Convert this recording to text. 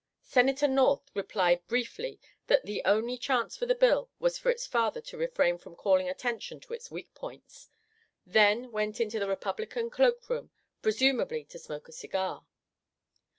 Senator North replied briefly that the only chance for the bill was for its father to refrain from calling attention to its weak points, then went into the Republican cloak room, presumably to smoke a cigar.